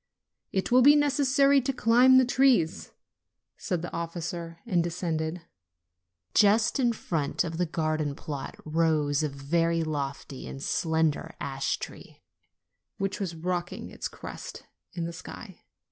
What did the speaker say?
"It will be necessary to climb the trees," said the officer, and descended. Just in front of the garden plot rose a very lofty and slender ash tree, which was rocking its crest in the sky.